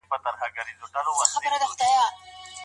لومړی شرط د اهليت کمال دی.